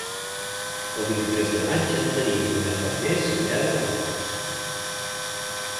El vint-i-tres de maig en Maria i na Farners iran a Cabanes.